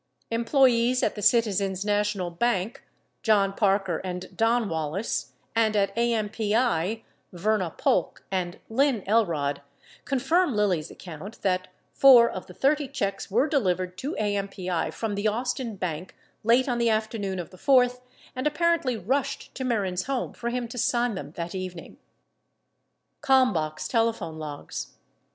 49 Employees at the Citizen's National Bank, John Parker and Don Wallace, and at AMPI, Verna Polk and Lynn Elrod, confirm Lilly's account that 4 of the 30 checks were delivered to AMPI from the Austin bank late on the afternoon of the 4th and apparently rushed to Mehren's home for him to sign them that evening. 50 Kalmbach's telephone logs.